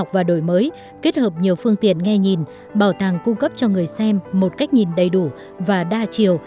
và đổi mới kết hợp nhiều phương tiện nghe nhìn bảo tàng cung cấp cho người xem một cách nhìn đầy đủ và đa chiều